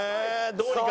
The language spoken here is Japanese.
どうにか。